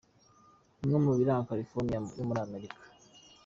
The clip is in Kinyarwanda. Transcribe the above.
Bimwe mu biranga California yo muri Amerika.